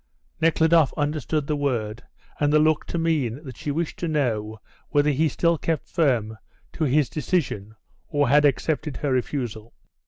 Nekhludoff understood the word and the look to mean that she wished to know whether he still kept firm to his decision or had accepted her refusal.